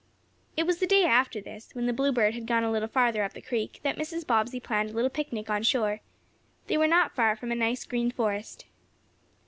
It was the day after this, when the Bluebird had gone a little farther up the creek, that Mrs. Bobbsey planned a little picnic on shore. They were not far from a nice, green forest.